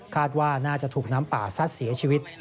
ว่าน่าจะถูกน้ำป่าซัดเสียชีวิต